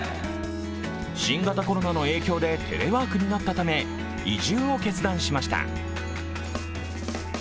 新型コロナの影響でテレワークになったため、移住を決断しました。